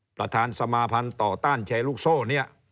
ประธานสมาพันธ์ต่อต้านแชร์ลูกโซ่เนี่ย